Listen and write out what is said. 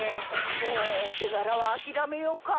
もうお手柄は諦めようか。